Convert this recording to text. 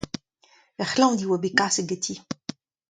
Er c'hlañvdi e oa bet kaset ganti.